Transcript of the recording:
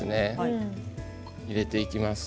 入れていきます。